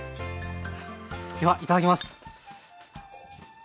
ではいただきます。